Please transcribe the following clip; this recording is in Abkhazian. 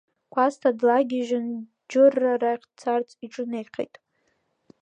Кәасҭа длагьежьын, Џырраа рахь дцарц иҿынеихеит.